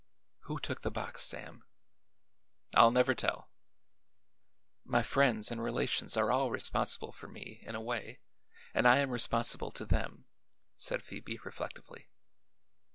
"Who took the box, Sam?" "I'll never tell." "My friends and relations are all responsible for me, in a way, and I am responsible to them," said Phoebe reflectively.